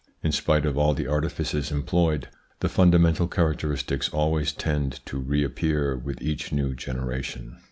In spite of all the artifices employed, the fundamental characteristics always tend to reappear with each new generation.